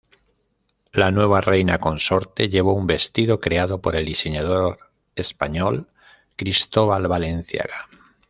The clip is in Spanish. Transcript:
La nueva reina consorte llevó un vestido creado por el diseñador español Cristóbal Balenciaga.